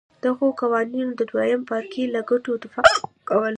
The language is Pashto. دغو قوانینو د دویم پاړکي له ګټو دفاع کوله.